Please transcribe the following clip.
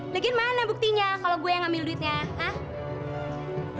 lagi mana buktinya kalau gue yang ngambil duitnya hah